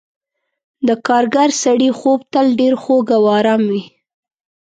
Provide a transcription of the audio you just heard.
د کارګر سړي خوب تل ډېر خوږ او آرام وي.